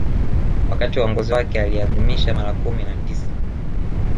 Wakati wa uongozi wake aliadhimisha mara kumi na tisa